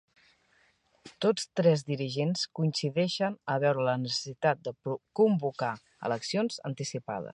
Tots tres dirigents coincideixen a veure la necessitat de convocar eleccions anticipades